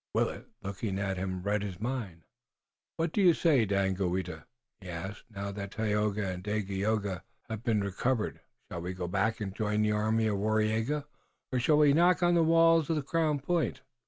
Willet, looking at him, read his mind. "What do you say, Daganoweda?" he asked. "Now that Tayoga and Dagaeoga have been recovered, shall we go back and join the army of Waraiyageh, or shall we knock on the walls of Crown Point?"